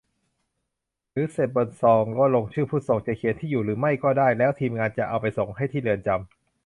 เขียนเสร็จบนซองก็ลงชื่อผู้ส่ง จะเขียนที่อยู่หรือไม่ก็ได้ แล้วทีมงานจะเอาไปส่งให้ที่เรือนจำ